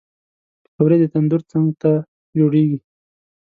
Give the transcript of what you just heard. پکورې د تندور څنګ ته جوړېږي